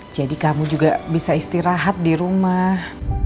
jadi kamu juga bisa istirahat di rumah